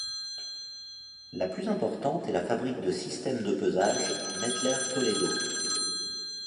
La plus importante est la fabrique de systèmes de pesage Mettler-Toledo.